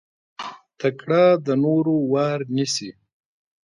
تکړه د نورو وار نيسي.